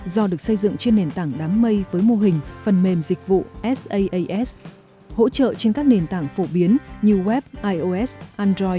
do được xây dựng trên nền tảng đám mây với mô hình phần mềm dịch vụ saas hỗ trợ trên các nền tảng phổ biến như web ios android